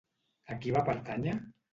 A qui va pertànyer?